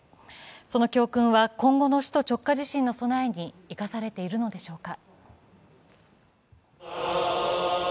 その教訓は今後の首都直下型地震の備えに生かされているのでしょうか。